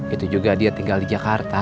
itu juga dia tinggal di jakarta